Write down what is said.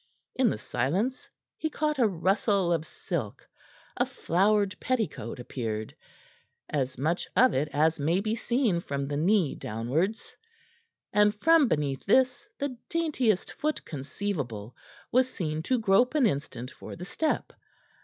In the silence he caught a rustle of silk. A flowered petticoat appeared as much of it as may be seen from the knee downwards and from beneath this the daintiest foot conceivable was seen to grope an instant for the step.